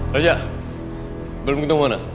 raja belum ketemu mana